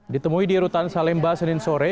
ditemui di rutan salemba senin sore